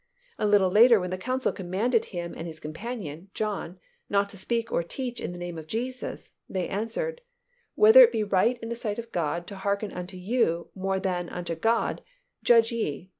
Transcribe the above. A little later when the council commanded him and his companion, John, not to speak or teach in the name of Jesus, they answered, "Whether it be right in the sight of God to hearken unto you more than unto God, judge ye.